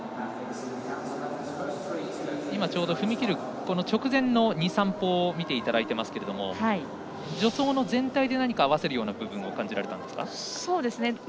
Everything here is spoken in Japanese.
今ちょうど踏み切る直前の２、３歩を見ていただきましたが助走の全体で、何か合わせるような部分を感じられましたか。